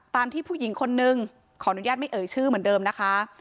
ที่ผู้หญิงคนนึงขออนุญาตไม่เอ่ยชื่อเหมือนเดิมนะคะ